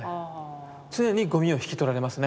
常にゴミを引き取られますね。